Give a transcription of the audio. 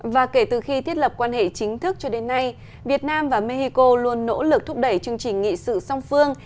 và kể từ khi thiết lập quan hệ chính thức cho đến nay việt nam và mexico luôn nỗ lực thúc đẩy chương trình nghị sự song phương